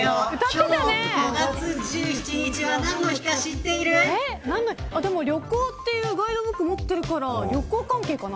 ５月１７日は何の日か知旅行というガイドブックを持っているから、旅行関係かな。